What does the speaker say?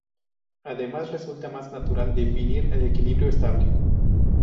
Además, resulta más natural definir el equilibrio estable.